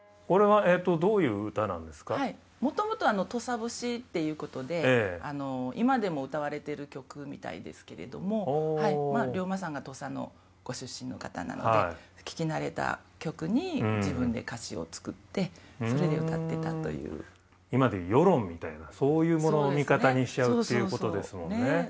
はい元々土佐節っていうことで今でも歌われてる曲みたいですけれどもまあ龍馬さんが土佐のご出身の方なので聴き慣れた曲に自分で歌詞を作ってそれで歌ってたという今でいう世論みたいなそういうものを味方にしちゃうっていうことですもんね